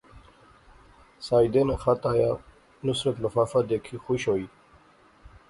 ساجدے ناں خط آیا، نصرت لفافہ دیکھی خوش ہوئی